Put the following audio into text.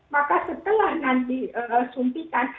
maka setelah nanti sumpitan